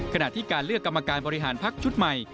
ขณะที่การเลือกกรรมการบริหารพักชุดใหม่